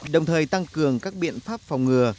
đồng thời tăng cường các biện pháp phòng ngừa